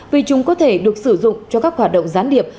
vì chúng có thể được sử dụng cho các hoạt động gián điệp